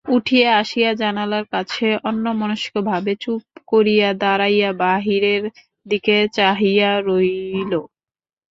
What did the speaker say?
উঠিয়া আসিয়া জানালার কাছে অন্যমনস্কভাবে চুপ করিয়া দাঁড়াইয়া বাহিরের দিকে চাহিয়া রহিল।